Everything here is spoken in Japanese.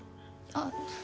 あっ。